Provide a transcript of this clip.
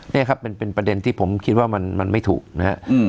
นี่ครับเป็นประเด็นที่ผมคิดว่ามันไม่ถูกนะครับ